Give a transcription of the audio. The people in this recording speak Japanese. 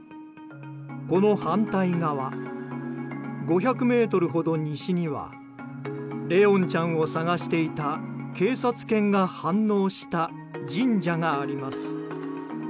この反対側、５００ｍほど西には怜音ちゃんを捜していた警察犬が反応した神社があります。